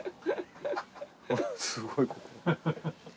すごいここ。